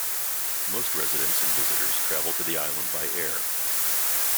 Most residents and visitors travel to the island by air.